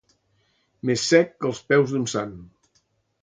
Més sec que els peus d'un sant.